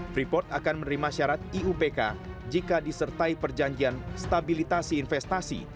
freeport akan menerima syarat iupk jika disertai perjanjian stabilitasi investasi